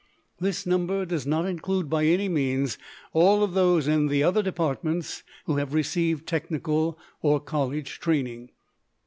This number does not include by any means all of those in the other departments who have received technical or college training.